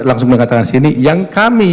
langsung mengatakan sini yang kami